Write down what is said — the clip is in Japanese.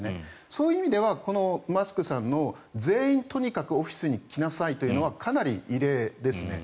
そういう意味ではマスクさんの全員とにかくオフィスに来なさいというのはかなり異例ですね。